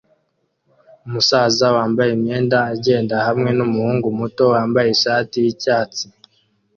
Umusaza wambaye imyenda agenda hamwe numuhungu muto wambaye ishati yicyatsi